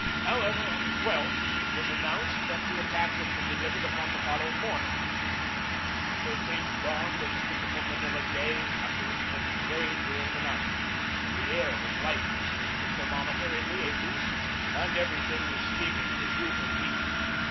However, on the I2th it was announced that the attack would be delivered upon the following morn ing. The 1 3th dawned as a typical Manila day, after intervals of rain during the night. The air was THE TAKING OF MANILA 277 lifeless, the thermometer in the 8o's, and everything was steaming with humid heat.